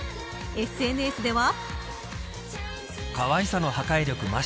ＳＮＳでは。